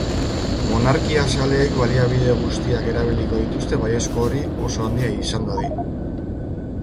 Monarkia zaleek baliabide guztiak erabiliko dituzte baiezko hori oso handia izan dadin.